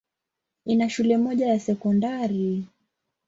Ina shule moja ya sekondari.